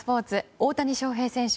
大谷翔平選手